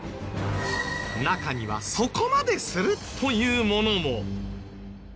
中にはそこまでする？というものも。